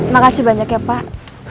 makasih banyak ya pak